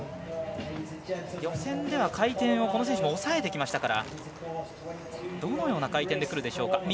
予選では回転を抑えてきましたからどのような回転でくるでしょうか。